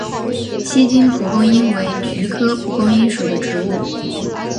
锡金蒲公英为菊科蒲公英属的植物。